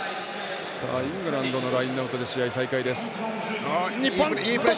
イングランドのラインアウトで試合再開です。